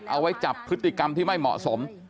เอาไว้จับพฤติกรรมที่ไม่เหมาะสม